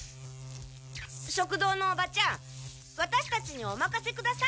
食堂のおばちゃんワタシたちにおまかせください！